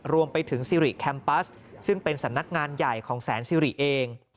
รวมไปถึงซิริแคมปัสซึ่งเป็นสำนักงานใหญ่ของแสนซิริเอง